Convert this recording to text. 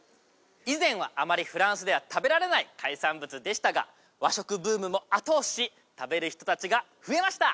以前はあまりフランスでは食べられない海産物でしたが和食ブームも後押しし食べる人達が増えました